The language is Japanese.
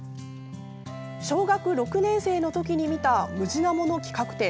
小学６年生の時に見たムジナモの企画展。